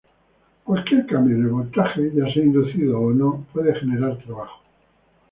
Cualquier cambio en el voltaje, ya sea inducido o no, puede generar trabajo.